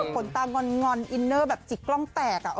ขนตางอนอินเนอร์แบบจิกกล้องแตก